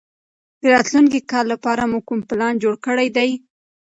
د راتلونکي کال لپاره مو کوم پلان جوړ کړی دی؟